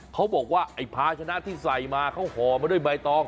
เขาบอกว่าไอ้ภาชนะที่ใส่มาเขาห่อมาด้วยใบตอง